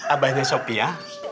abahnya sopi ya